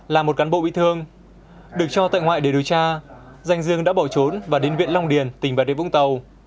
là một cán bộ bị thương được cho tại ngoại để điều tra danh dương đã bỏ trốn và đến viện long điền tỉnh bà địa vũng tàu